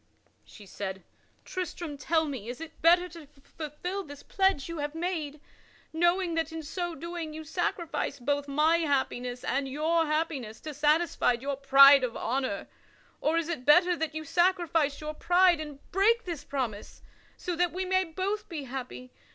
She said: "Tristram, tell me, is it better to fulfil this pledge you have made, knowing that in so doing you sacrifice both my happiness and your happiness to satisfy your pride of honor; or is it better that you sacrifice your pride and break this promise so that we may both be happy?